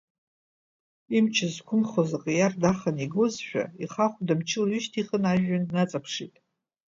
Имч зқәымхоз аҟиар дахан игозшәа, ихахәда мчыла иҩышьҭихын, ажәҩан дҩаҵаԥшит.